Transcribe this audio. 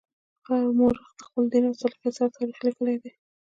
هر مورخ د خپل دین او سلیقې سره تاریخ لیکلی دی.